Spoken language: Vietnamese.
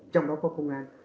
trong đó có công an